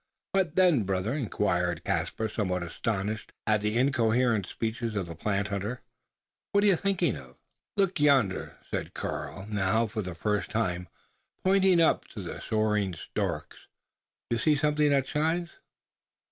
"What then, brother?" inquired Caspar, somewhat astonished at the incoherent speeches of the plant hunter. "What are you thinking of?" "Look yonder!" said Karl, now for the first time pointing up to the soaring storks. "You see something that shines?"